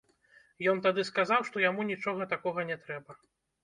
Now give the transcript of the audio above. Ён тады сказаў, што яму нічога такога не трэба.